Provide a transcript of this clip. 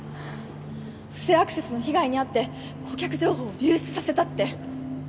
不正アクセスの被害に遭って顧客情報を流出させたって